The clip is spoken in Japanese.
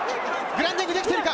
グラウンディングできているか？